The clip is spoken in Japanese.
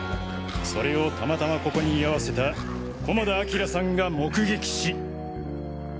それをたまたまここに居合わせた菰田明さんが目撃し。